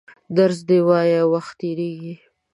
درس دي وایه وخت تېرېږي!